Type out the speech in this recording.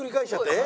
えっ？